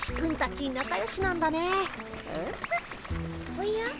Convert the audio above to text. おや？